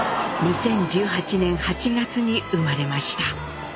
２０１８年８月に生まれました。